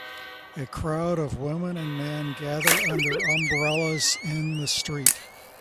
A crowd of women and men gather under umbrellas in the street